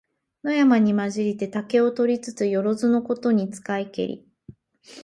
野山にまじりて竹を取りつ、よろづのことに使いけり。